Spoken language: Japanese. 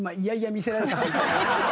「見せられた」。